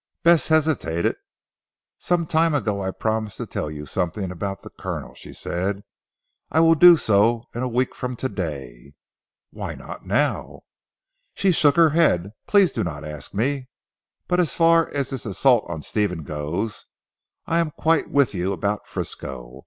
Bess hesitated. "Some time ago I promised to tell you something about the Colonel," she said. "I will do so in a week from to day." "Why not now?" She shook her head. "Please do not ask me, but as far as this assault on Stephen goes, I am quite with you about Frisco.